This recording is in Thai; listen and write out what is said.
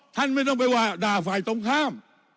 ท่านไม่ต้องไปว่าด่าฝ่ายตรงข้าม